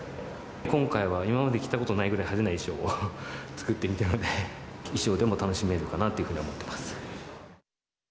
今回は今まで着たことないぐらい、派手な衣装を作ってみたので、衣装でも楽しめるかなというふうに思っています。